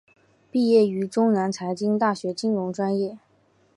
毕业于中南财经大学金融专业。